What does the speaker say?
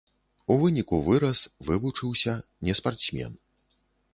У выніку вырас, вывучыўся, не спартсмен.